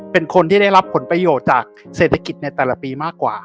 เป็นคนที่ได้รับผลประโยชน์จากเศรษฐกิจในแต่ละปีมากกว่า